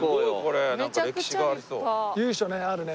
由緒ねあるね。